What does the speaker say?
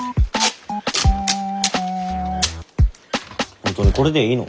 本当にこれでいいの？